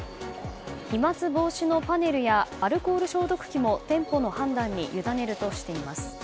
飛沫防止のパネルやアルコール消毒器も店舗の判断に委ねるとしています。